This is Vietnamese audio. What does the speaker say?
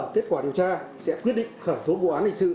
đoàn kết nội bộ